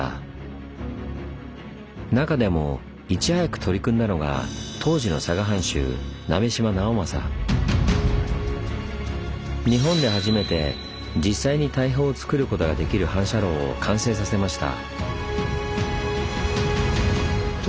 中でもいち早く取り組んだのが当時の日本で初めて実際に大砲をつくることができる反射炉を完成させました。